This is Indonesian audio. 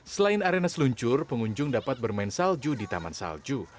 selain arena seluncur pengunjung dapat bermain salju di taman salju